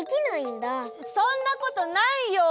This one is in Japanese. そんなことないよ！